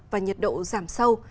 và nhiệt độ giảm sâu